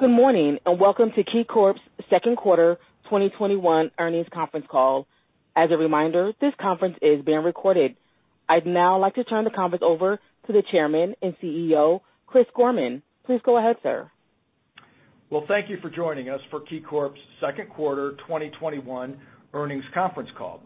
Good morning, and welcome to KeyCorp's second quarter 2021 earnings conference call. As a reminder, this conference is being recorded. I'd now like to turn the conference over to the Chairman and CEO, Chris Gorman. Please go ahead, sir. Thank you for joining us for KeyCorp's second quarter 2021 earnings conference call.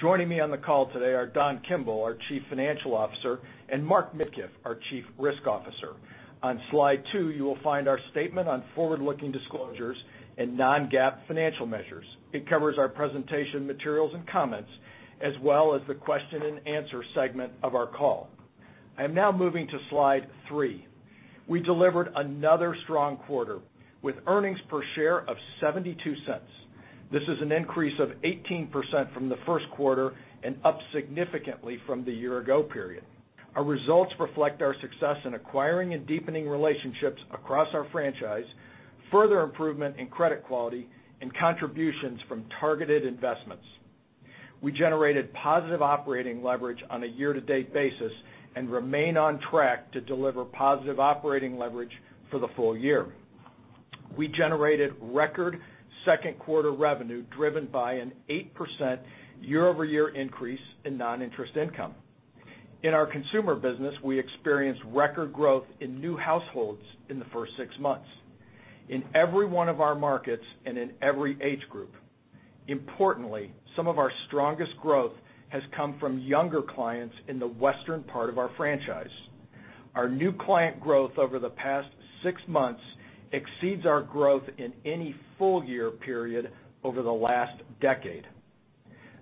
Joining me on the call today are Don Kimble, our chief financial officer, and Mark Midkiff, our chief risk officer. On slide two, you will find our statement on forward-looking disclosures and non-GAAP financial measures. It covers our presentation materials and comments, as well as the question and answer segment of our call. I am now moving to slide three. We delivered another strong quarter with earnings per share of $0.72. This is an increase of 18% from the first quarter and up significantly from the year ago period. Our results reflect our success in acquiring and deepening relationships across our franchise, further improvement in credit quality, and contributions from targeted investments. We generated positive operating leverage on a year-to-date basis and remain on track to deliver positive operating leverage for the full year. We generated record second quarter revenue driven by an 8% year-over-year increase in non-interest income. In our consumer business, we experienced record growth in new households in the first six months. In every one of our markets and in every age group. Importantly, some of our strongest growth has come from younger clients in the western part of our franchise. Our new client growth over the past six months exceeds our growth in any full year period over the last decade.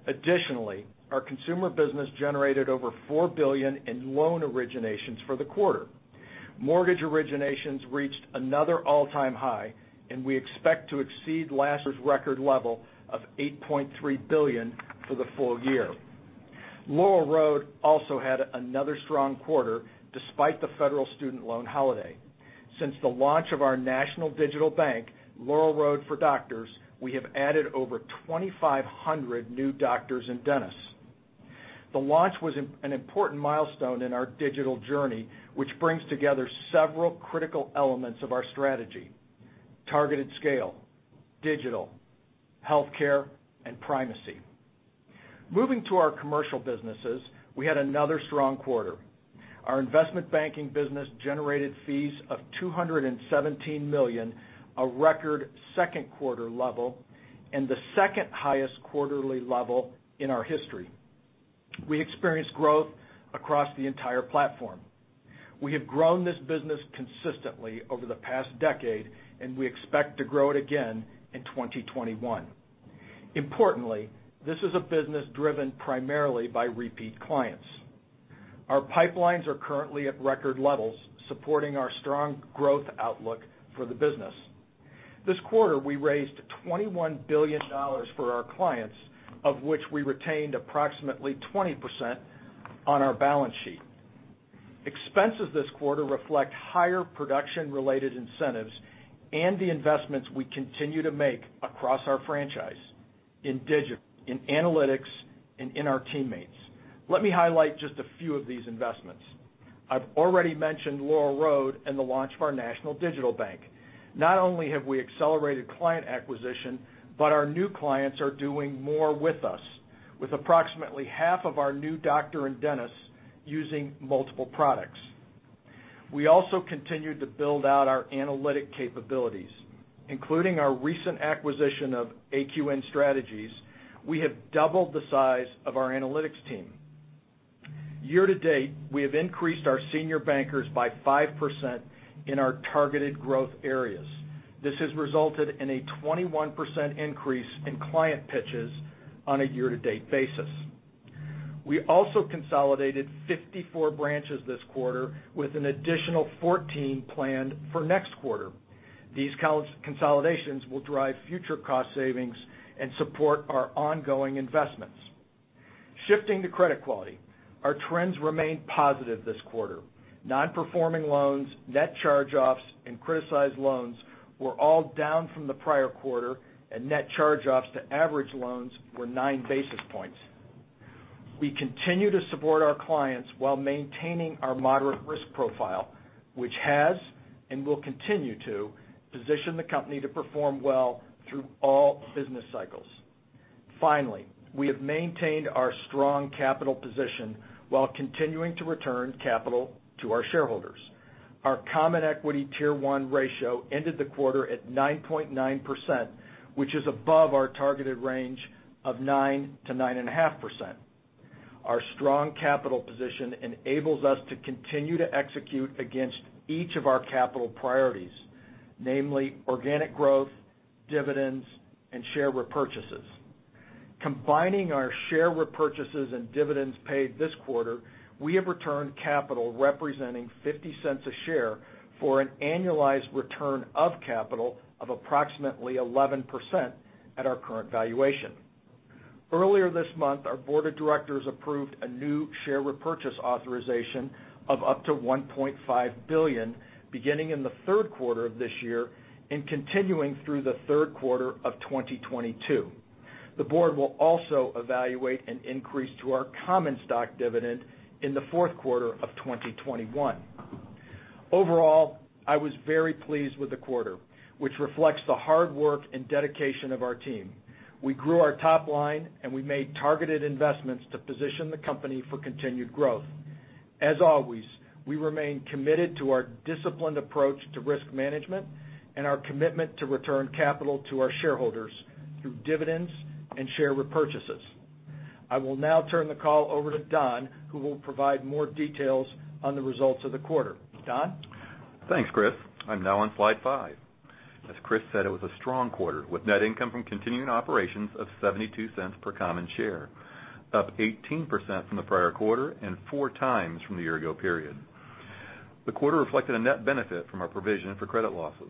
Additionally, our consumer business generated over $4 billion in loan originations for the quarter. Mortgage originations reached another all-time high, and we expect to exceed last year's record level of $8.3 billion for the full year. Laurel Road also had another strong quarter despite the federal student loan holiday. Since the launch of our national digital bank, Laurel Road for Doctors, we have added over 2,500 new doctors and dentists. The launch was an important milestone in our digital journey, which brings together several critical elements of our strategy: targeted scale, digital, healthcare, and primacy. Moving to our commercial businesses, we had another strong quarter. Our investment banking business generated fees of $217 million, a record second quarter level and the second highest quarterly level in our history. We experienced growth across the entire platform. We have grown this business consistently over the past decade, and we expect to grow it again in 2021. Importantly, this is a business driven primarily by repeat clients. Our pipelines are currently at record levels, supporting our strong growth outlook for the business. This quarter, we raised $21 billion for our clients, of which we retained approximately 20% on our balance sheet. Expenses this quarter reflect higher production-related incentives and the investments we continue to make across our franchise in digital, in analytics, and in our teammates. Let me highlight just a few of these investments. I've already mentioned Laurel Road and the launch of our national digital bank. Not only have we accelerated client acquisition, but our new clients are doing more with us, with approximately half of our new doctor and dentists using multiple products. We continued to build out our analytic capabilities. Including our recent acquisition of AQN Strategies, we have doubled the size of our analytics team. Year to date, we have increased our senior bankers by 5% in our targeted growth areas. This has resulted in a 21% increase in client pitches on a year-to-date basis. We consolidated 54 branches this quarter with an additional 14 planned for next quarter. These consolidations will drive future cost savings and support our ongoing investments. Shifting to credit quality, our trends remained positive this quarter. Non-performing loans, net charge-offs, and criticized loans were all down from the prior quarter, and net charge-offs to average loans were 9 basis points. We continue to support our clients while maintaining our moderate risk profile, which has and will continue to position the company to perform well through all business cycles. Finally, we have maintained our strong capital position while continuing to return capital to our shareholders. Our Common Equity Tier 1 ratio ended the quarter at 9.9%, which is above our targeted range of 9%-9.5%. Our strong capital position enables us to continue to execute against each of our capital priorities, namely organic growth, dividends, and share repurchases. Combining our share repurchases and dividends paid this quarter, we have returned capital representing $0.50 a share for an annualized return of capital of approximately 11% at our current valuation. Earlier this month, our board of directors approved a new share repurchase authorization of up to $1.5 billion beginning in the third quarter of this year and continuing through the third quarter of 2022. The board will also evaluate an increase to our common stock dividend in the fourth quarter of 2021. I was very pleased with the quarter, which reflects the hard work and dedication of our team. We grew our top line and we made targeted investments to position the company for continued growth. As always, we remain committed to our disciplined approach to risk management and our commitment to return capital to our shareholders through dividends and share repurchases. I will now turn the call over to Don, who will provide more details on the results of the quarter. Don? Thanks, Chris. I'm now on slide five. As Chris said, it was a strong quarter with net income from continuing operations of $0.72 per common share, up 18% from the prior quarter and four times from the year ago period. The quarter reflected a net benefit from our provision for credit losses.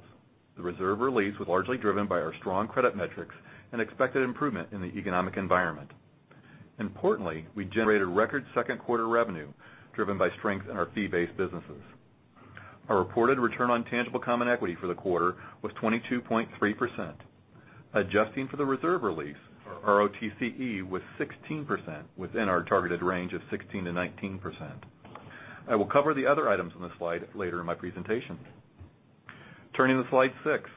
The reserve release was largely driven by our strong credit metrics and expected improvement in the economic environment. Importantly, we generated record second quarter revenue driven by strength in our fee-based businesses. Our reported return on tangible common equity for the quarter was 22.3%. Adjusting for the reserve release, our ROTCE was 16%, within our targeted range of 16%-19%. I will cover the other items on this slide later in my presentation. Turning to slide six.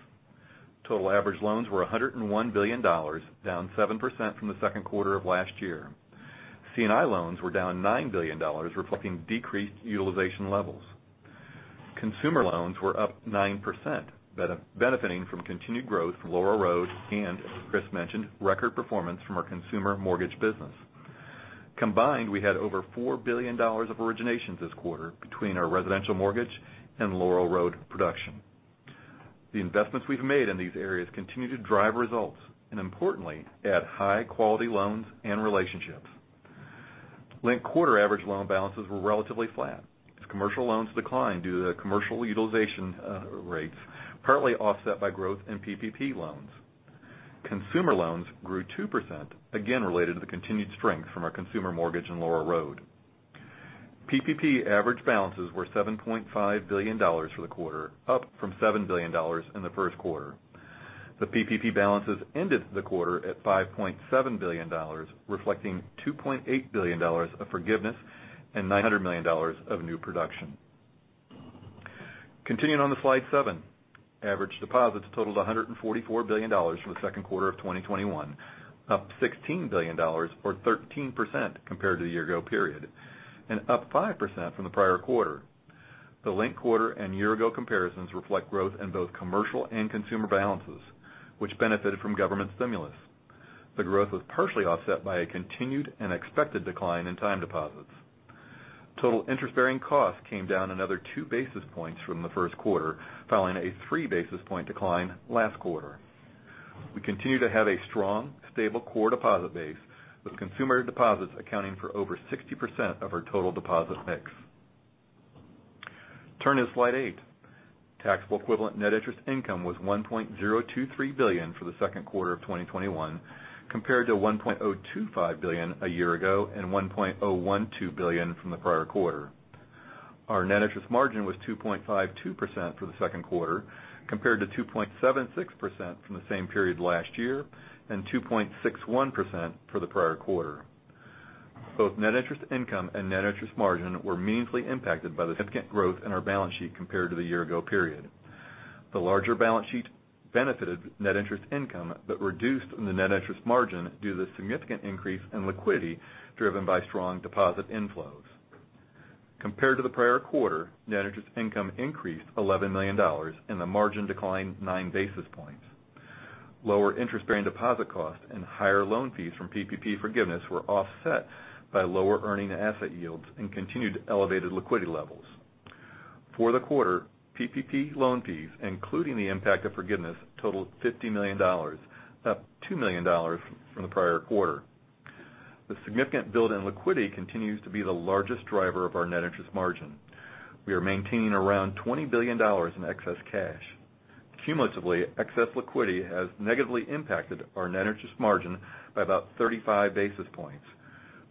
Total average loans were $101 billion, down 7% from the second quarter of last year. C&I loans were down $9 billion, reflecting decreased utilization levels. Consumer loans were up 9%, benefiting from continued growth from Laurel Road and, as Chris mentioned, record performance from our consumer mortgage business. Combined, we had over $4 billion of originations this quarter between our residential mortgage and Laurel Road production. The investments we've made in these areas continue to drive results and importantly, add high-quality loans and relationships. Linked-quarter average loan balances were relatively flat as commercial loans declined due to the commercial utilization rates, partly offset by growth in PPP loans. Consumer loans grew 2%, again related to the continued strength from our consumer mortgage and Laurel Road. PPP average balances were $7.5 billion for the quarter, up from $7 billion in the first quarter. The PPP balances ended the quarter at $5.7 billion, reflecting $2.8 billion of forgiveness and $900 million of new production. Continuing on to slide seven. Average deposits totaled $144 billion for Q2 2021, up $16 billion or 13% compared to the year-ago period, and up 5% from the prior quarter. The linked-quarter and year-ago comparisons reflect growth in both commercial and consumer balances, which benefited from government stimulus. The growth was partially offset by a continued and expected decline in time deposits. Total interest-bearing costs came down another 2 basis points from the first quarter, following a 3 basis point decline last quarter. We continue to have a strong, stable core deposit base, with consumer deposits accounting for over 60% of our total deposit mix. Turning to slide eight. Taxable equivalent net interest income was $1.023 billion for the second quarter of 2021, compared to $1.025 billion a year ago and $1.012 billion from the prior quarter. Our net interest margin was 2.52% for the second quarter, compared to 2.76% from the same period last year and 2.61% for the prior quarter. Both net interest income and net interest margin were meaningfully impacted by the significant growth in our balance sheet compared to the year-ago period. The larger balance sheet benefited net interest income but reduced the net interest margin due to significant increase in liquidity driven by strong deposit inflows. Compared to the prior quarter, net interest income increased $11 million and the margin declined nine basis points. Lower interest-bearing deposit costs and higher loan fees from PPP forgiveness were offset by lower earning asset yields and continued elevated liquidity levels. For the quarter, PPP loan fees, including the impact of forgiveness, totaled $50 million, up $2 million from the prior quarter. The significant build in liquidity continues to be the largest driver of our net interest margin. We are maintaining around $20 billion in excess cash. Cumulatively, excess liquidity has negatively impacted our net interest margin by about 35 basis points,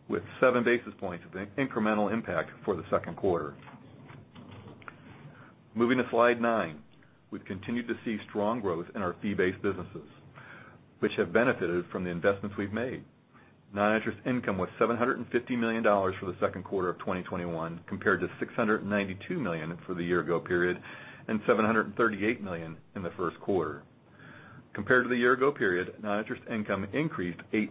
with 7 basis points of incremental impact for the second quarter. Moving to slide nine. We've continued to see strong growth in our fee-based businesses, which have benefited from the investments we've made. Non-interest income was $750 million for the second quarter of 2021 compared to $692 million for the year-ago period and $738 million in the first quarter. Compared to the year-ago period, non-interest income increased 8%.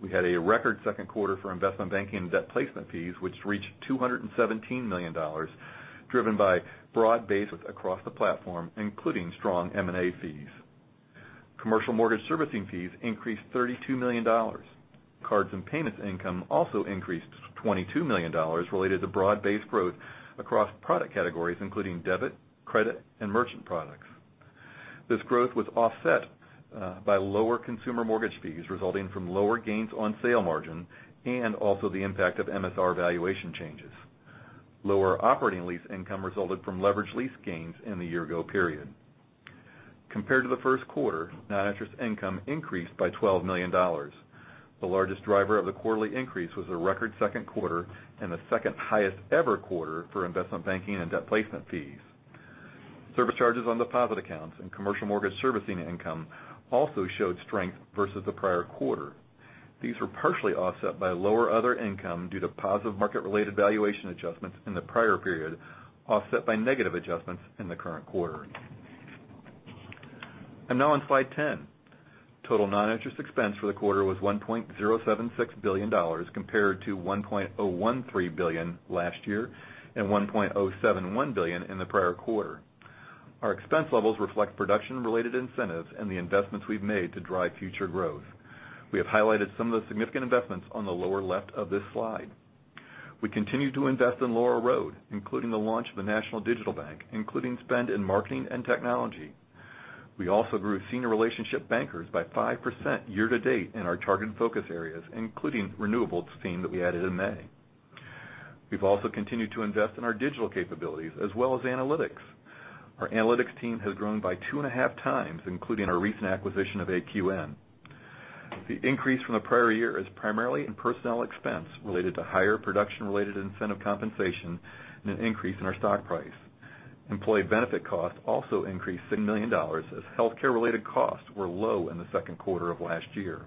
We had a record second quarter for investment banking and debt placement fees, which reached $217 million, driven by broad basis across the platform, including strong M&A fees. Commercial mortgage servicing fees increased $32 million. Cards and payments income also increased to $22 million related to broad-based growth across product categories, including debit, credit, and merchant products. This growth was offset by lower consumer mortgage fees resulting from lower gains on sale margin and also the impact of MSR valuation changes. Lower operating lease income resulted from leveraged lease gains in the year-ago period. Compared to the first quarter, non-interest income increased by $12 million. The largest driver of the quarterly increase was a record second quarter and the second highest ever quarter for investment banking and debt placement fees. Service charges on deposit accounts and commercial mortgage servicing income also showed strength versus the prior quarter. These were partially offset by lower other income due to positive market-related valuation adjustments in the prior period, offset by negative adjustments in the current quarter. I'm now on slide 10. Total non-interest expense for the quarter was $1.076 billion compared to $1.013 billion last year and $1.071 billion in the prior quarter. Our expense levels reflect production-related incentives and the investments we've made to drive future growth. We have highlighted some of the significant investments on the lower left of this slide. We continue to invest in Laurel Road, including the launch of a national digital bank, including spend in marketing and technology. We also grew senior relationship bankers by 5% year to date in our targeted focus areas, including renewables team that we added in May. We've also continued to invest in our digital capabilities as well as analytics. Our analytics team has grown by two and half times, including our recent acquisition of AQN. The increase from the prior year is primarily in personnel expense related to higher production-related incentive compensation and an increase in our stock price. Employee benefit costs also increased $6 million as healthcare-related costs were low in the second quarter of last year.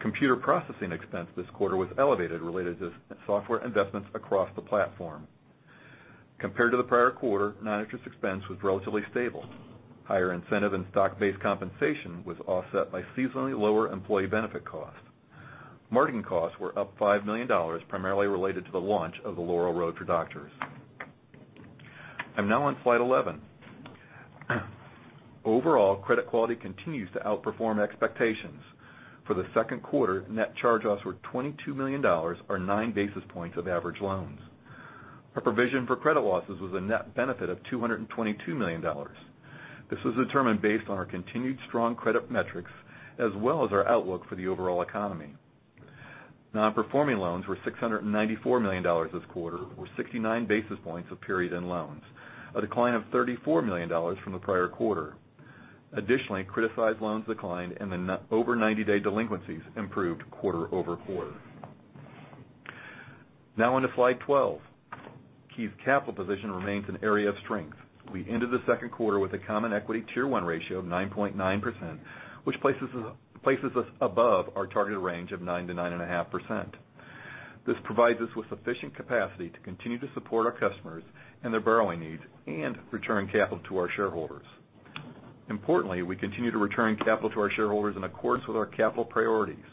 Computer processing expense this quarter was elevated related to software investments across the platform. Compared to the prior quarter, non-interest expense was relatively stable. Higher incentive and stock-based compensation was offset by seasonally lower employee benefit costs. Marketing costs were up $5 million, primarily related to the launch of the Laurel Road for Doctors. I'm now on slide 11. Overall, credit quality continues to outperform expectations. For the second quarter, net charge-offs were $22 million, or 9 basis points of average loans. Our provision for credit losses was a net benefit of $222 million. This was determined based on our continued strong credit metrics as well as our outlook for the overall economy. Non-performing loans were $694 million this quarter, or 69 basis points of period-end loans, a decline of $34 million from the prior quarter. Additionally, criticized loans declined, and the over 90-day delinquencies improved quarter-over-quarter. Now on to slide 12. KeyCorp's capital position remains an area of strength. We ended the second quarter with a Common Equity Tier 1 ratio of 9.9%, which places us above our targeted range of 9%-9.5%. This provides us with sufficient capacity to continue to support our customers and their borrowing needs and return capital to our shareholders. Importantly, we continue to return capital to our shareholders in accordance with our capital priorities.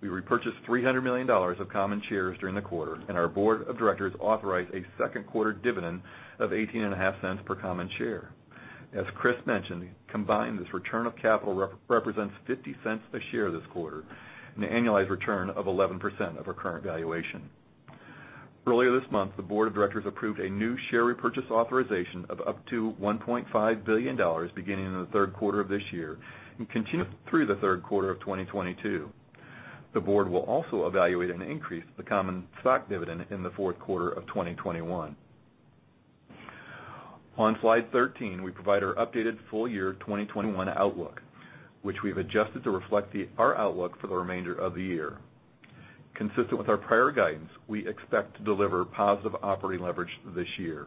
We repurchased $300 million of common shares during the quarter. Our Board of Directors authorized a second quarter dividend of $0.185 per common share. As Chris mentioned, combined, this return of capital represents $0.50 a share this quarter and an annualized return of 11% of our current valuation. Earlier this month, the Board of Directors approved a new share repurchase authorization of up to $1.5 billion beginning in the third quarter of this year and continuing through the third quarter of 2022. The Board will also evaluate an increase of the common stock dividend in the fourth quarter of 2021. On slide 13, we provide our updated full year 2021 outlook, which we've adjusted to reflect our outlook for the remainder of the year. Consistent with our prior guidance, we expect to deliver positive operating leverage this year.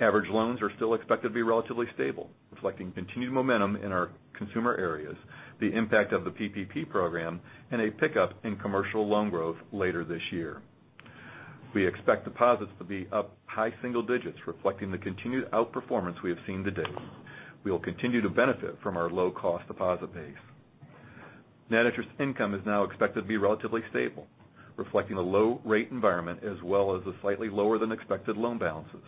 Average loans are still expected to be relatively stable, reflecting continued momentum in our consumer areas, the impact of the PPP program, and a pickup in commercial loan growth later this year. We expect deposits to be up high single-digits, reflecting the continued outperformance we have seen to date. We will continue to benefit from our low-cost deposit base. Net interest income is now expected to be relatively stable, reflecting the low rate environment as well as slightly lower than expected loan balances.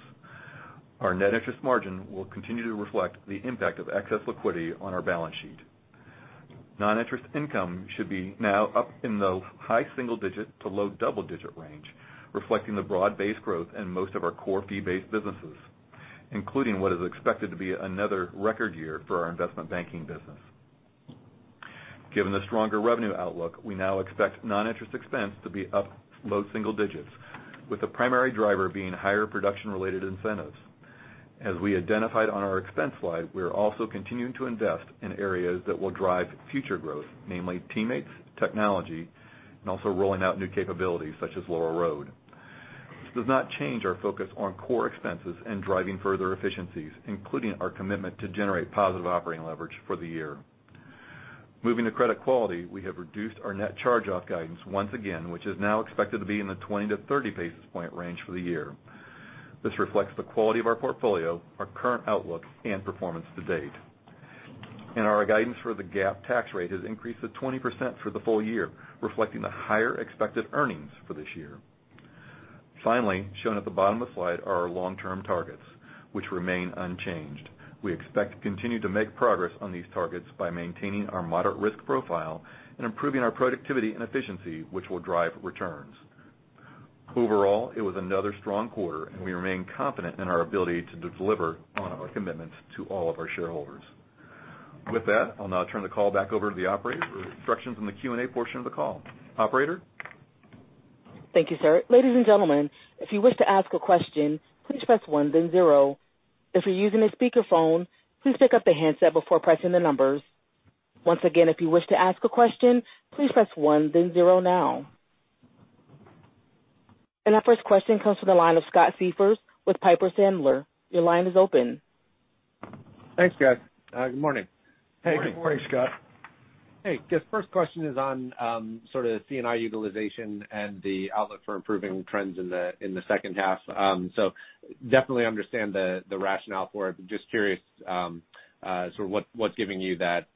Our net interest margin will continue to reflect the impact of excess liquidity on our balance sheet. Non-interest income should be now up in the high single-digit to low double-digit range, reflecting the broad-based growth in most of our core fee-based businesses, including what is expected to be another record year for our investment banking business. Given the stronger revenue outlook, we now expect non-interest expense to be up low single-digits, with the primary driver being higher production-related incentives. As we identified on our expense slide, we are also continuing to invest in areas that will drive future growth, namely teammates, technology, and also rolling out new capabilities such as Laurel Road. This does not change our focus on core expenses and driving further efficiencies, including our commitment to generate positive operating leverage for the year. Moving to credit quality, we have reduced our net charge-off guidance once again, which is now expected to be in the 20 to 30 basis point range for the year. This reflects the quality of our portfolio, our current outlook, and performance to date. Our guidance for the GAAP tax rate has increased to 20% for the full year, reflecting the higher expected earnings for this year. Shown at the bottom of the slide are our long-term targets, which remain unchanged. We expect to continue to make progress on these targets by maintaining our moderate risk profile and improving our productivity and efficiency, which will drive returns. It was another strong quarter, and we remain confident in our ability to deliver on our commitments to all of our shareholders. I'll now turn the call back over to the operator for instructions on the Q&A portion of the call. Operator? Thank you, sir. Ladies and gentlemen, if you wish to ask a question, please press one then zero. If you're using a speakerphone, please pick up the handset before pressing the numbers. Once again, if you wish to ask a question, please press one then zero now. Our first question comes from the line of Scott Siefers with Piper Sandler. Your line is open. Thanks, guys. Good morning. Hey, good morning, Scott. Hey, first question is on sort of C&I utilization and the outlook for improving trends in the second half. Definitely understand the rationale for it, just curious sort of what's giving you that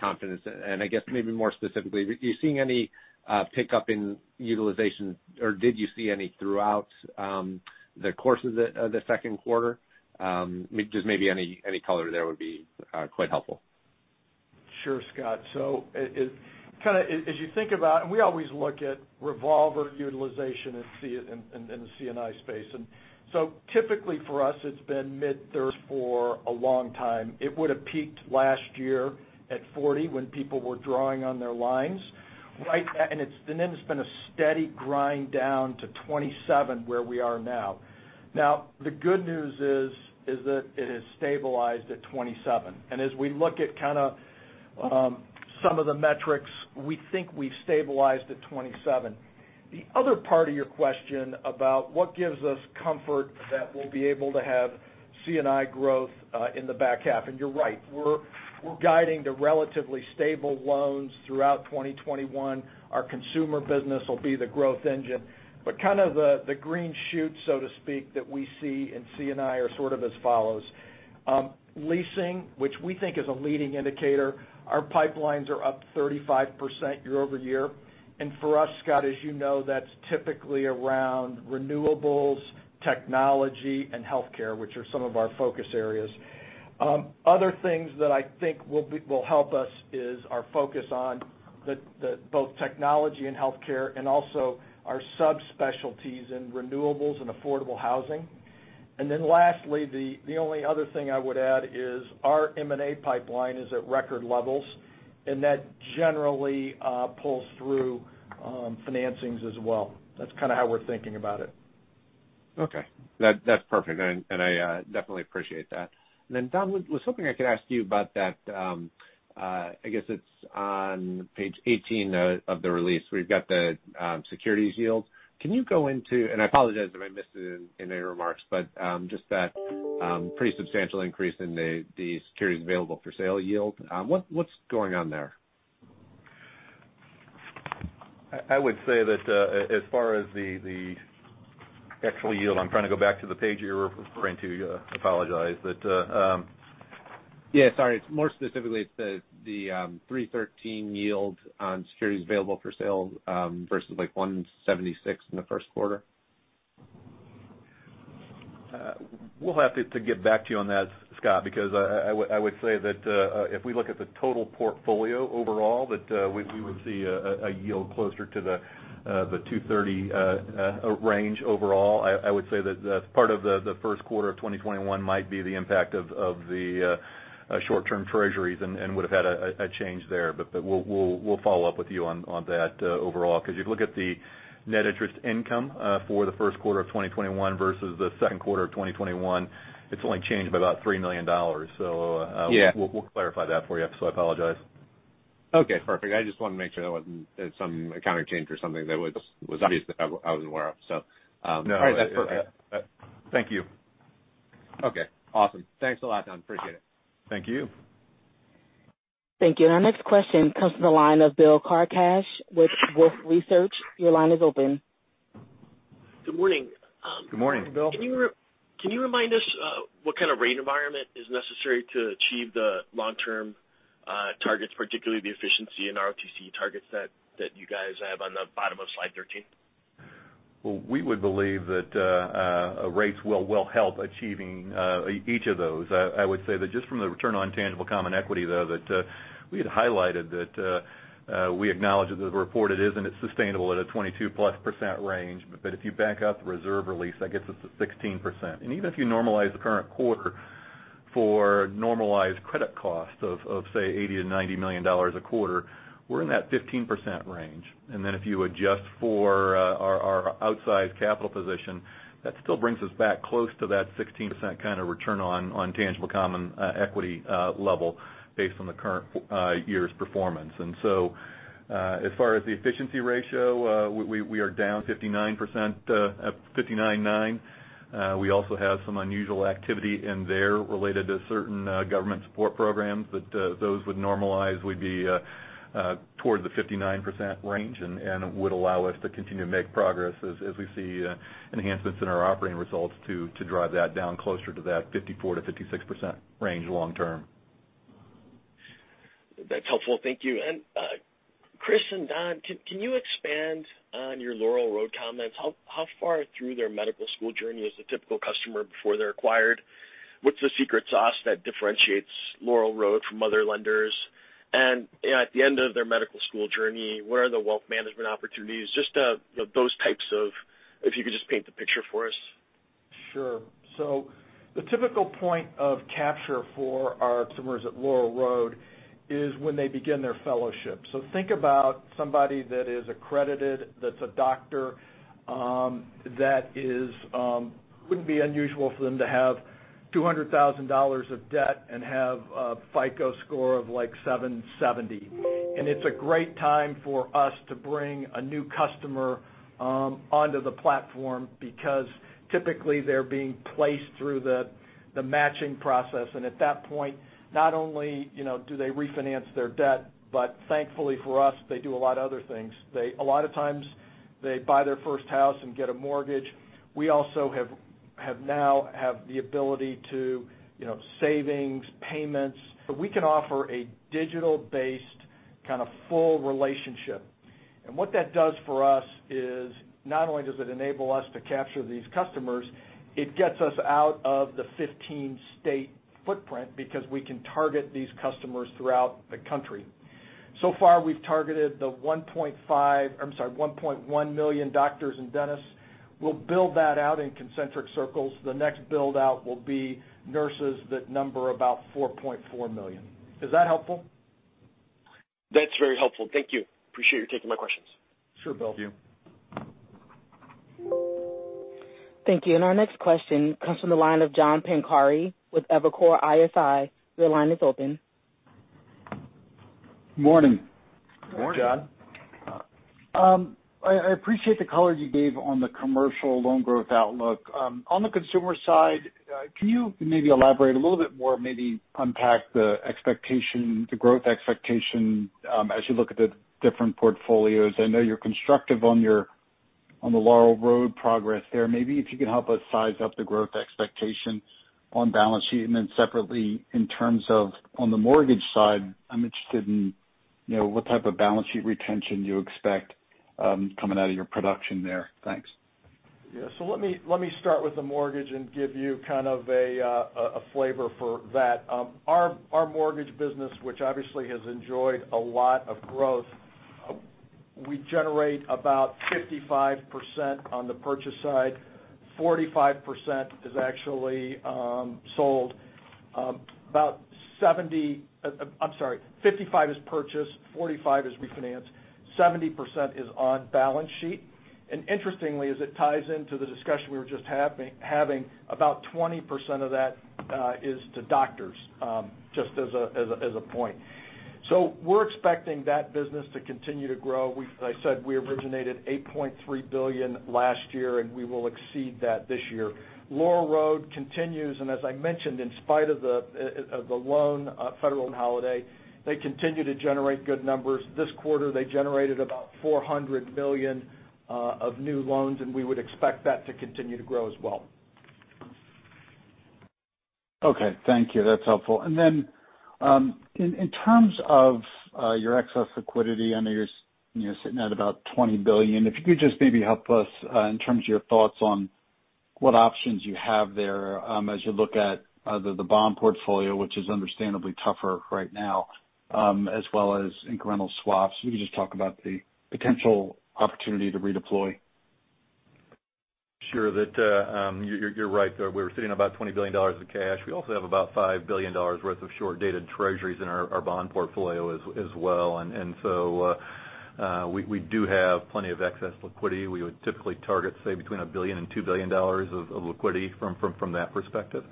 confidence? I guess maybe more specifically, are you seeing any pickup in utilization or did you see any throughout the course of the second quarter? Just maybe any color there would be quite helpful. Sure, Scott. As you think about it, we always look at revolver utilization in the C&I space. Typically for us, it's been mid-30s for a long time. It would've peaked last year at 40 when people were drawing on their lines. It's been a steady grind down to 27, where we are now. The good news is that it has stabilized at 27. As we look at kind of some of the metrics, we think we've stabilized at 27. The other part of your question about what gives us comfort that we'll be able to have C&I growth in the back half. You're right. We're guiding to relatively stable loans throughout 2021. Our consumer business will be the growth engine, but kind of the green shoots, so to speak, that we see in C&I are sort of as follows. Leasing, which we think is a leading indicator, our pipelines are up 35% year-over-year. For us, Scott, as you know, that's typically around renewables, technology and healthcare, which are some of our focus areas. Other things that I think will help us is our focus on both technology and healthcare and also our subspecialties in renewables and affordable housing. Lastly, the only other thing I would add is our M&A pipeline is at record levels, and that generally pulls through financings as well. That's kind of how we're thinking about it. Okay. That's perfect, and I definitely appreciate that. Don, I was hoping I could ask you about that, I guess it's on page 18 of the release, where you've got the securities yields. I apologize if I missed it in any remarks, but just that pretty substantial increase in the securities available for sale yield. What's going on there? I would say that as far as the actual yield, I'm trying to go back to the page you're referring to. Apologize. Yeah, sorry. More specifically, it's the 3.13% yield on securities available for sale, versus like 1.76% in the first quarter. We'll have to get back to you on that, Scott, because I would say that if we look at the total portfolio overall, that we would see a yield closer to the 230 range overall. I would say that part of the first quarter of 2021 might be the impact of the short-term treasuries and would've had a change there. We'll follow up with you on that overall. If you look at the net interest income for the first quarter of 2021 versus the second quarter of 2021, it's only changed by about $3 million. Yeah. We'll clarify that for you. I apologize. Okay, perfect. I just wanted to make sure that wasn't some accounting change or something that was obvious that I wasn't aware of. All right. That's perfect. Thank you. Okay, awesome. Thanks a lot, Don. Appreciate it. Thank you. Thank you. Our next question comes from the line of Bill Carcache with Wolfe Research. Your line is open. Good morning. Good morning. Good morning, Bill. Can you remind us what kind of rate environment is necessary to achieve the long-term targets, particularly the efficiency and ROTCE targets that you guys have on the bottom of slide 13? Well, we would believe that rates will well help achieving each of those. I would say that just from the return on tangible common equity, though, that we had highlighted that we acknowledge that the report it is and it's sustainable at a 22+% range. If you back out the reserve release, that gets us to 16%. Even if you normalize the current quarter for normalized credit costs of say, $80 million-$90 million a quarter, we're in that 15% range. If you adjust for our outsized capital position, that still brings us back close to that 16% kind of return on tangible common equity level based on the current year's performance. As far as the efficiency ratio, we are down 59.9%. We also have some unusual activity in there related to certain government support programs. Those would normalize, we'd be towards the 59% range and would allow us to continue to make progress as we see enhancements in our operating results to drive that down closer to that 54%-56% range long term. That's helpful. Thank you. Chris and Don, can you expand on your Laurel Road comments? How far through their medical school journey is the typical customer before they're acquired? What's the secret sauce that differentiates Laurel Road from other lenders? At the end of their medical school journey, what are the wealth management opportunities? If you could just paint the picture for us. Sure. The typical point of capture for our customers at Laurel Road is when they begin their fellowship. Think about somebody that is accredited, that's a doctor, wouldn't be unusual for them to have $200,000 of debt and have a FICO score of like 770. It's a great time for us to bring a new customer onto the platform because typically they're being placed through the matching process. At that point, not only do they refinance their debt, but thankfully for us, they do a lot of other things. A lot of times they buy their first house and get a mortgage. We also now have the ability to savings, payments. We can offer a digital-based kind of full relationship. What that does for us is not only does it enable us to capture these customers, it gets us out of the 15-state footprint because we can target these customers throughout the country. So far, we've targeted the 1.1 million doctors and dentists. We'll build that out in concentric circles. The next build-out will be nurses that number about 4.4 million. Is that helpful? That's very helpful. Thank you. Appreciate you taking my questions. Sure, Bill. Thank you. Thank you. Our next question comes from the line of John Pancari with Evercore ISI. Your line is open. Morning. Morning. Morning John. I appreciate the color you gave on the commercial loan growth outlook. On the consumer side, can you maybe elaborate a little bit more, maybe unpack the growth expectation as you look at the different portfolios? I know you're constructive on the Laurel Road progress there. Maybe if you could help us size up the growth expectation on balance sheet, and then separately in terms of on the mortgage side, I'm interested in what type of balance sheet retention you expect coming out of your production there. Thanks. Let me start with the mortgage and give you kind of a flavor for that. Our mortgage business, which obviously has enjoyed a lot of growth, we generate about 55% on the purchase side, 45% is actually sold. 55 is purchased, 45 is refinanced, 70% is on balance sheet. Interestingly, as it ties into the discussion we were just having, about 20% of that is to doctors, just as a point. We're expecting that business to continue to grow. As I said, we originated $8.3 billion last year, and we will exceed that this year. Laurel Road continues, and as I mentioned, in spite of the federal loan holiday, they continue to generate good numbers. This quarter, they generated about $400 million of new loans, and we would expect that to continue to grow as well. Okay. Thank you. That's helpful. Then in terms of your excess liquidity, I know you're sitting at about $20 billion. If you could just maybe help us in terms of your thoughts on what options you have there as you look at the bond portfolio, which is understandably tougher right now, as well as incremental swaps. If you could just talk about the potential opportunity to redeploy. Sure. You're right, though. We're sitting on about $20 billion of cash. We also have about $5 billion worth of short-dated treasuries in our bond portfolio as well. We do have plenty of excess liquidity. We would typically target, say, between $1 billion and $2 billion of liquidity from that perspective.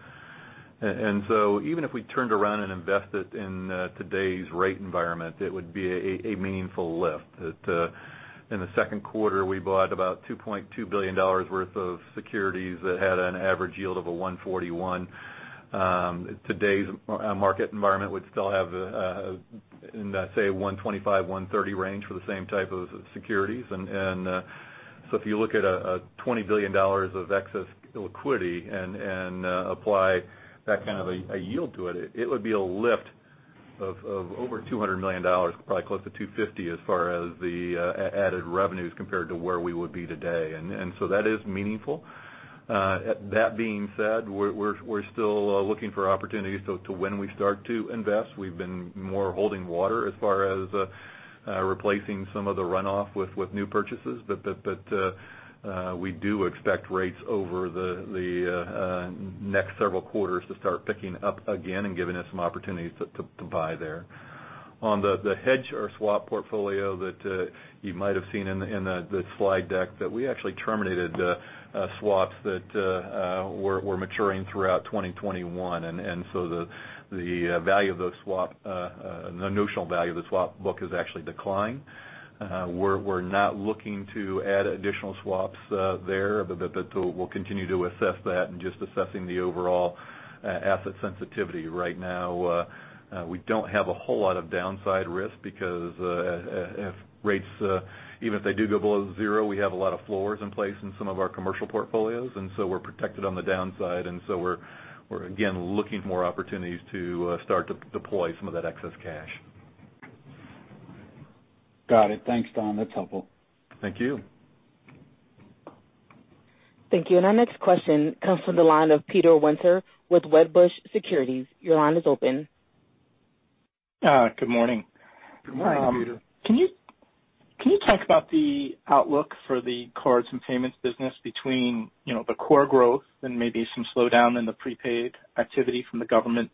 Even if we turned around and invested in today's rate environment, it would be a meaningful lift. In the second quarter, we bought about $2.2 billion worth of securities that had an average yield of 141. Today's market environment would still have in that, say, 125-130 range for the same type of securities. If you look at $20 billion of excess liquidity and apply that kind of a yield to it would be a lift of over $200 million, probably close to $250 million as far as the added revenues compared to where we would be today. That is meaningful. That being said, we're still looking for opportunities to when we start to invest. We've been more holding water as far as replacing some of the runoff with new purchases. We do expect rates over the next several quarters to start picking up again and giving us some opportunities to buy there. On the hedge or swap portfolio that you might have seen in the slide deck, we actually terminated swaps that were maturing throughout 2021. The notional value of the swap book has actually declined. We're not looking to add additional swaps there. We'll continue to assess that and just assessing the overall asset sensitivity. Right now we don't have a whole lot of downside risk because if rates, even if they do go below zero, we have a lot of floors in place in some of our commercial portfolios, and so we're protected on the downside. So we're, again, looking for more opportunities to start to deploy some of that excess cash. Got it. Thanks, Don. That's helpful. Thank you. Thank you. Our next question comes from the line of Peter Winter with Wedbush Securities. Your line is open. Good morning. Good morning, Peter. Can you talk about the outlook for the cards and payments business between the core growth and maybe some slowdown in the prepaid activity from the government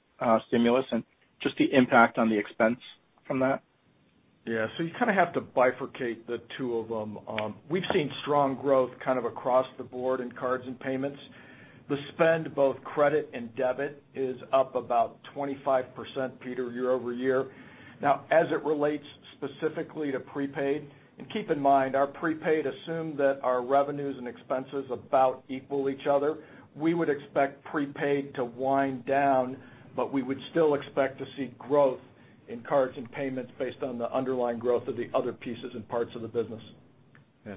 stimulus, and just the impact on the expense from that? Yeah. You kind of have to bifurcate the two of them. We've seen strong growth kind of across the board in cards and payments. The spend, both credit and debit, is up about 25%, Peter, year-over-year. As it relates specifically to prepaid, and keep in mind, our prepaid assume that our revenues and expenses about equal each other. We would expect prepaid to wind down, we would still expect to see growth in cards and payments based on the underlying growth of the other pieces and parts of the business.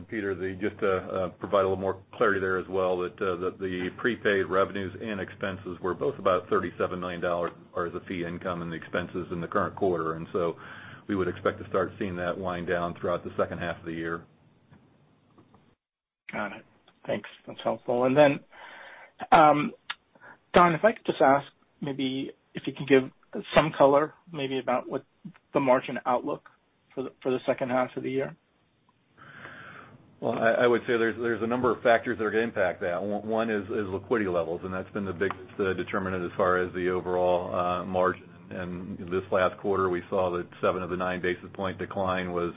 Peter, just to provide a little more clarity there as well, that the prepaid revenues and expenses were both about $37 million as a fee income and the expenses in the current quarter. We would expect to start seeing that wind down throughout the second half of the year. Got it. Thanks. That's helpful. Don, if I could just ask maybe if you could give some color maybe about what the margin outlook for the second half of the year. I would say there's a number of factors that are going to impact that. One is liquidity levels, that's been the big determinant as far as the overall margin. This last quarter, we saw that 7 of the 9 basis point decline was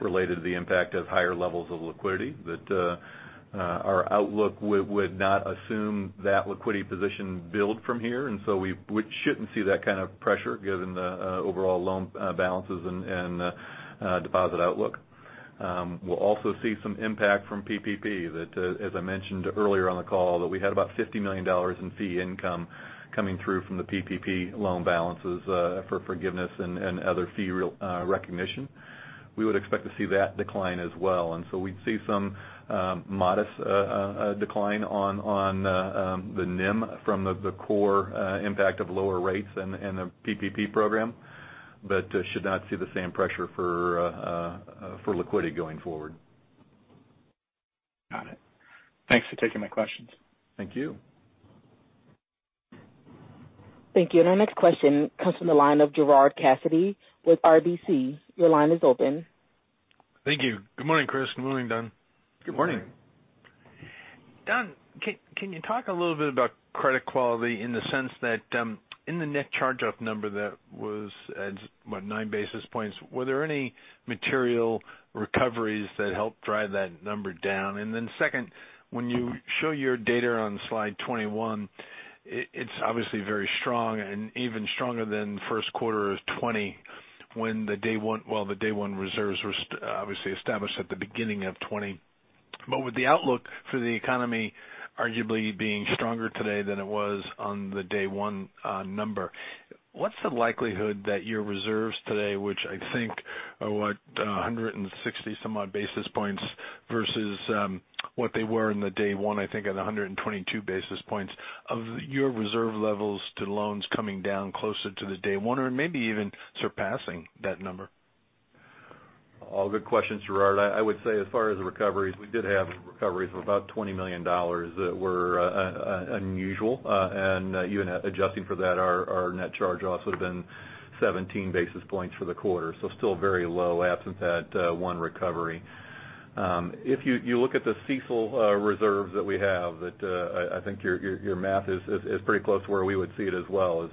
related to the impact of higher levels of liquidity, that our outlook would not assume that liquidity position build from here. So we shouldn't see that kind of pressure given the overall loan balances and deposit outlook. We'll also see some impact from PPP that, as I mentioned earlier on the call, that we had about $50 million in fee income coming through from the PPP loan balances for forgiveness and other fee recognition. We would expect to see that decline as well. We'd see some modest decline on the NIM from the core impact of lower rates and the PPP program, but should not see the same pressure for liquidity going forward. Got it. Thanks for taking my questions. Thank you. Thank you. Our next question comes from the line of Gerard Cassidy with RBC. Your line is open. Thank you. Good morning, Chris. Good morning, Don. Good morning. Good morning. Don, can you talk a little bit about credit quality in the sense that in the net charge-off number that was at what, 9 basis points, were there any material recoveries that helped drive that number down? Second, when you show your data on slide 21, it's obviously very strong and even stronger than first quarter of 2020 when the day one reserves were obviously established at the beginning of 2020. With the outlook for the economy arguably being stronger today than it was on the day one number, what's the likelihood that your reserves today, which I think are what, 160 some odd basis points versus what they were in the day one, I think at 122 basis points of your reserve levels to loans coming down closer to the day one or maybe even surpassing that number? All good questions, Gerard. I would say as far as the recoveries, we did have recoveries of about $20 million that were unusual. Even adjusting for that, our net charge-off would have been 17 basis points for the quarter. Still very low absent that one recovery. If you look at the CECL reserves that we have, that I think your math is pretty close to where we would see it as well,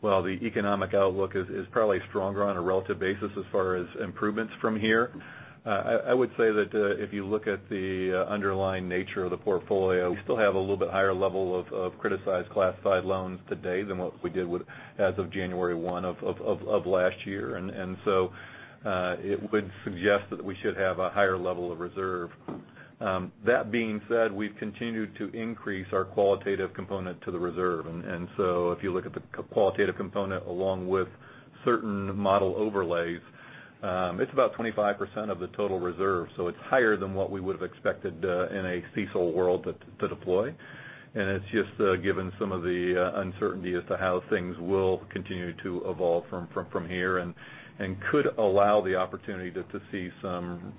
is that while the economic outlook is probably stronger on a relative basis as far as improvements from here. I would say that if you look at the underlying nature of the portfolio, we still have a little bit higher level of criticized classified loans today than what we did as of January 1 of last year. It would suggest that we should have a higher level of reserve. That being said, we've continued to increase our qualitative component to the reserve. If you look at the qualitative component along with certain model overlays, it's about 25% of the total reserve. It's higher than what we would have expected in a CECL world to deploy. It's just given some of the uncertainty as to how things will continue to evolve from here and could allow the opportunity to see some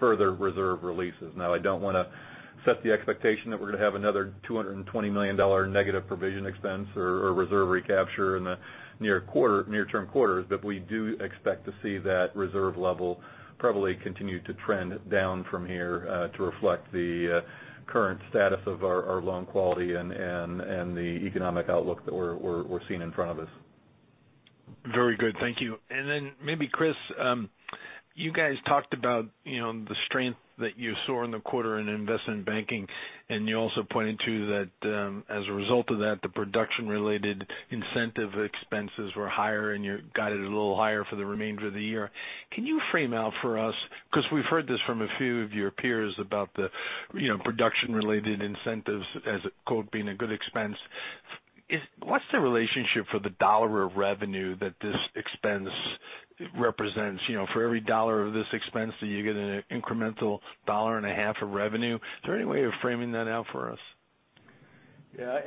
further reserve releases. Now, I don't want to set the expectation that we're going to have another $220 million negative provision expense or reserve recapture in the near-term quarters. We do expect to see that reserve level probably continue to trend down from here to reflect the current status of our loan quality and the economic outlook that we're seeing in front of us. Very good. Thank you. Maybe Chris, you guys talked about the strength that you saw in the quarter in investment banking, and you also pointed to that as a result of that, the production-related incentive expenses were higher, and you guided a little higher for the remainder of the year. Can you frame out for us, because we've heard this from a few of your peers about the production-related incentives as, quote, being a good expense. What's the relationship for the $1 of revenue that this expense represents? For every $1 of this expense that you get an incremental dollar and a half of revenue. Is there any way of framing that out for us? Yeah.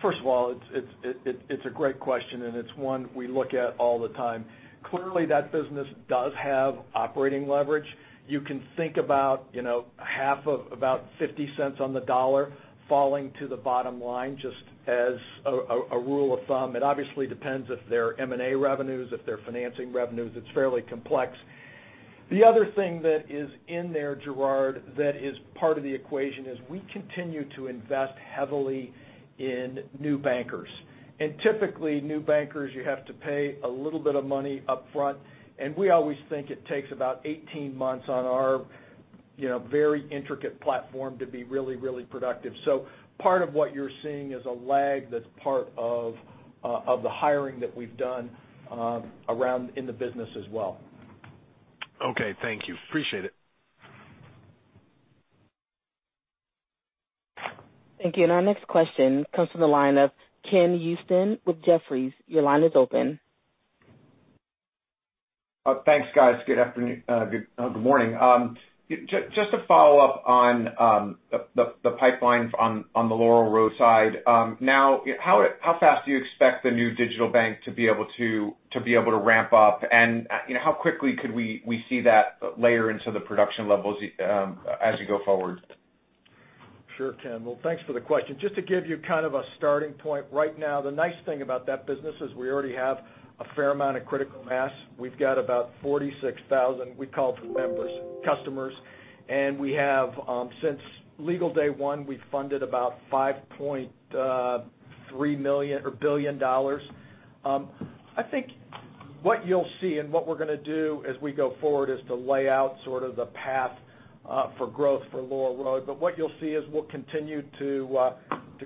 First of all, it's a great question, and it's one we look at all the time. Clearly, that business does have operating leverage. You can think about half of about $0.50 on the dollar falling to the bottom line just as a rule of thumb. It obviously depends if they're M&A revenues, if they're financing revenues. It's fairly complex. The other thing that is in there, Gerard, that is part of the equation, is we continue to invest heavily in new bankers. Typically, new bankers, you have to pay a little bit of money upfront. We always think it takes about 18 months on our very intricate platform to be really, really productive. Part of what you're seeing is a lag that's part of the hiring that we've done around in the business as well. Okay. Thank you. Appreciate it. Thank you. Our next question comes from the line of Ken Usdin with Jefferies. Your line is open. Thanks, guys. Good morning. Just to follow up on the pipelines on the Laurel Road side. How fast do you expect the new digital bank to be able to ramp up? How quickly could we see that layer into the production levels as you go forward? Sure, Ken. Well, thanks for the question. Just to give you kind of a starting point right now, the nice thing about that business is we already have a fair amount of critical mass. We've got about 46,000, we call them members, customers. We have, since legal day one, we've funded about $5.3 billion. I think what you'll see and what we're going to do as we go forward is to lay out sort of the path for growth for Laurel Road. What you'll see is we'll continue to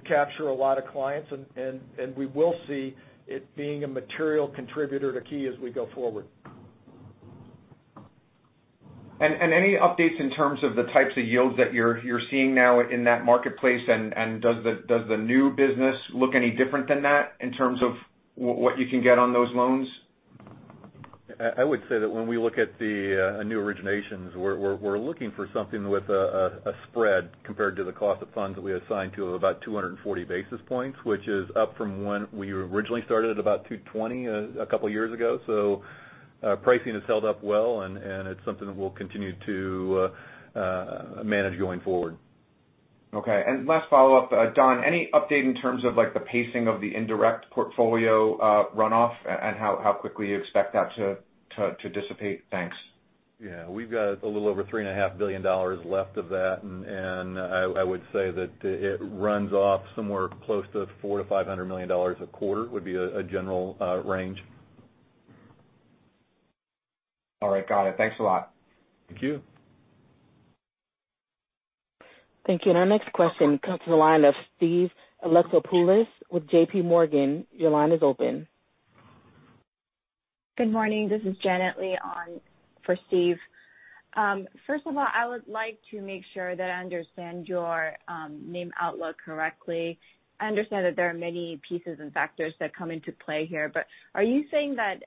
capture a lot of clients and we will see it being a material contributor to Key as we go forward. Any updates in terms of the types of yields that you're seeing now in that marketplace? Does the new business look any different than that in terms of what you can get on those loans? I would say that when we look at the new originations, we're looking for something with a spread compared to the cost of funds that we assigned to about 240 basis points, which is up from when we originally started at about 220 a couple of years ago. Pricing has held up well, and it's something that we'll continue to manage going forward. Okay. Last follow-up. Don, any update in terms of the pacing of the indirect portfolio runoff and how quickly you expect that to dissipate? Thanks. Yeah. We've got a little over $3.5 billion left of that. I would say that it runs off somewhere close to $400 million-$500 million a quarter would be a general range. All right. Got it. Thanks a lot. Thank you. Thank you. Our next question comes from the line of Steve Alexopoulos with JPMorgan. Your line is open. Good morning. This is Janet Lee on for Steve. First of all, I would like to make sure that I understand your NIM outlook correctly. I understand that there are many pieces and factors that come into play here, but are you saying that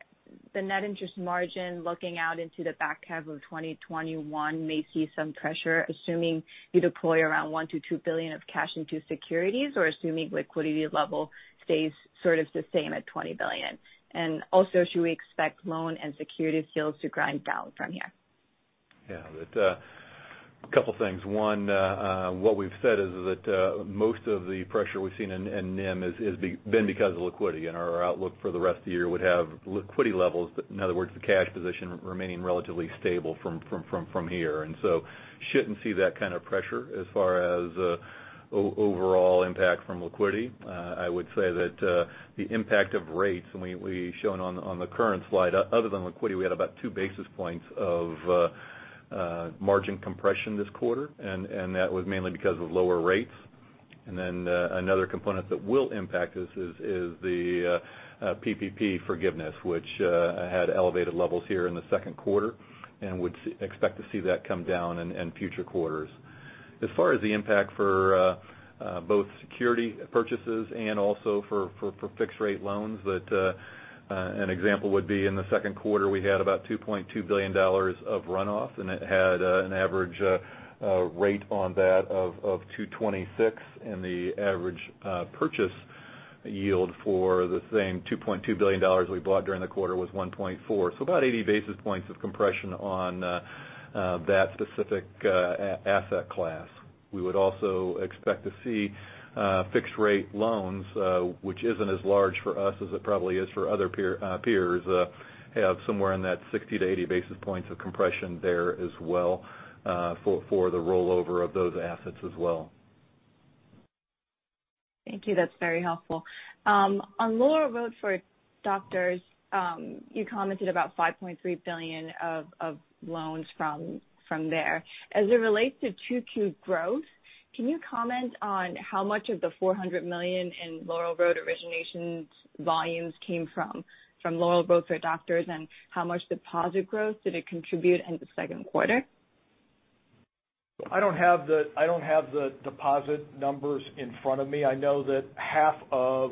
the net interest margin, looking out into the back half of 2021 may see some pressure, assuming you deploy around $1 billion-$2 billion of cash into securities, or assuming liquidity level stays sort of the same at $20 billion? Also, should we expect loan and security yields to grind down from here? A couple things. One, what we've said is that most of the pressure we've seen in NIM has been because of liquidity. Our outlook for the rest of the year would have liquidity levels, in other words, the cash position remaining relatively stable from here. Shouldn't see that kind of pressure as far as overall impact from liquidity. I would say that the impact of rates, and we've shown on the current slide, other than liquidity, we had about 2 basis points of margin compression this quarter, and that was mainly because of lower rates. Another component that will impact us is the PPP forgiveness, which had elevated levels here in the second quarter and would expect to see that come down in future quarters. As far as the impact for both security purchases and also for fixed-rate loans, an example would be in the second quarter, we had about $2.2 billion of runoff, and it had an average rate on that of 226, and the average purchase yield for the same $2.2 billion we bought during the quarter was 1.4. About 80 basis points of compression on that specific asset class. We would also expect to see fixed-rate loans which isn't as large for us as it probably is for other peers, have somewhere in that 60 to 80 basis points of compression there as well for the rollover of those assets as well. Thank you. That's very helpful. On Laurel Road for Doctors, you commented about $5.3 billion of loans from there. As it relates to 2Q growth, can you comment on how much of the $400 million in Laurel Road originations volumes came from Laurel Road for Doctors? How much deposit growth did it contribute in the second quarter? I don't have the deposit numbers in front of me. I know that half of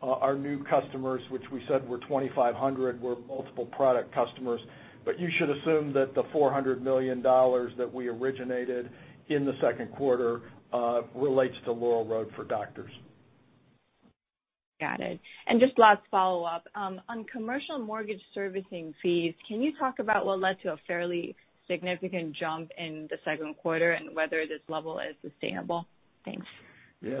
our new customers, which we said were 2,500, were multiple product customers. You should assume that the $400 million that we originated in the second quarter relates to Laurel Road for Doctors. Got it. Just last follow-up. On commercial mortgage servicing fees, can you talk about what led to a fairly significant jump in the second quarter and whether this level is sustainable? Thanks. Yeah.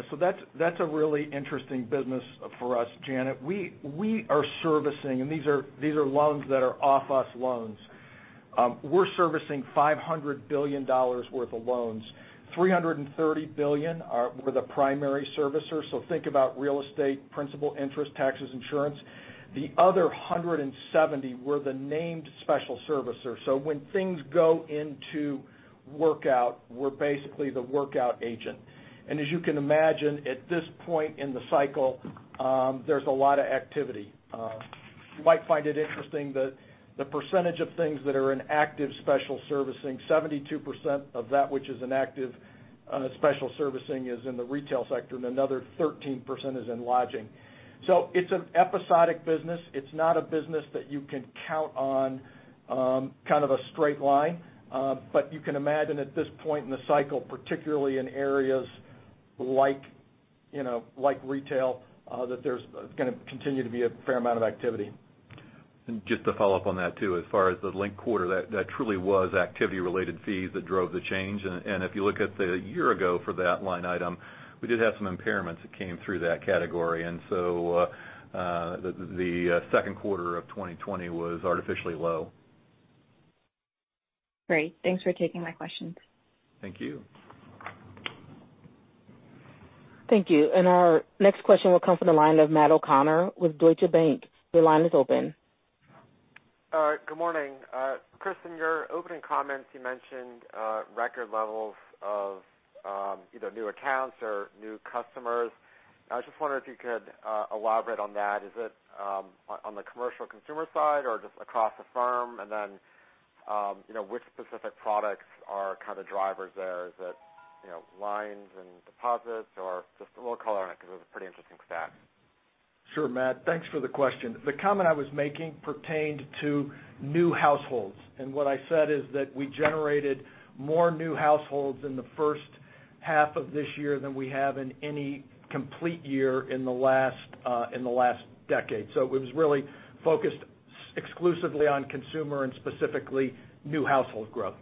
That's a really interesting business for us, Janet. We are servicing. These are loans that are off-us loans. We're servicing $500 billion worth of loans. $330 billion, we're the primary servicer. Think about real estate, principal interest, taxes, insurance. The other $170, we're the named special servicer. When things go into workout, we're basically the workout agent. As you can imagine, at this point in the cycle, there's a lot of activity. You might find it interesting that the percentage of things that are in active special servicing, 72% of that which is in active special servicing is in the retail sector, and another 13% is in lodging. It's an episodic business. It's not a business that you can count on kind of a straight line. You can imagine at this point in the cycle, particularly in areas like retail, that there's going to continue to be a fair amount of activity. Just to follow up on that too, as far as the linked quarter, that truly was activity-related fees that drove the change. If you look at the year ago for that line item, we did have some impairments that came through that category. The second quarter of 2020 was artificially low. Great. Thanks for taking my questions. Thank you. Thank you. Our next question will come from the line of Matt O'Connor with Deutsche Bank. Your line is open. Good morning. Chris, in your opening comments, you mentioned record levels of either new accounts or new customers. I was just wondering if you could elaborate on that. Is it on the commercial consumer side or just across the firm? Which specific products are kind of drivers there? Is it lines and deposits or just a little color on it because it was a pretty interesting stat. Sure, Matt. Thanks for the question. The comment I was making pertained to new households, and what I said is that we generated more new households in the first half of this year than we have in any complete year in the last decade. It was really focused exclusively on consumer and specifically new household growth.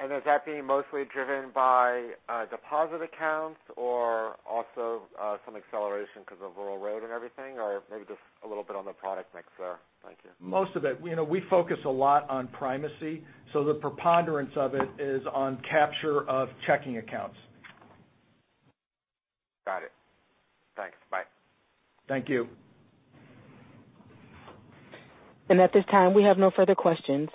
Is that being mostly driven by deposit accounts or also some acceleration because of Laurel Road and everything? Maybe just a little bit on the product mix there. Thank you. Most of it. We focus a lot on primacy, so the preponderance of it is on capture of checking accounts. Got it. Thanks. Bye. Thank you. At this time, we have no further questions.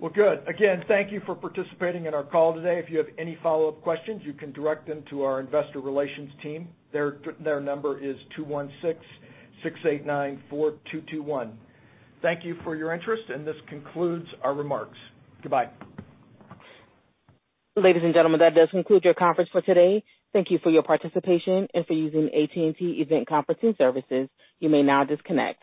Well, good. Again, thank you for participating in our call today. If you have any follow-up questions, you can direct them to our investor relations team. Their number is two one six six eight nine four two two one. Thank you for your interest, and this concludes our remarks. Goodbye. Ladies and gentlemen, that does conclude your conference for today. Thank you for your participation and for using AT&T Event Conferencing services. You may now disconnect.